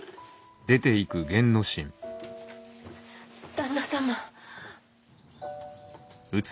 旦那様。